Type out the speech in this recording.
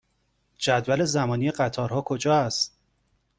جدول زمانی قطارها کجا است؟